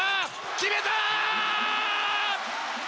決めた！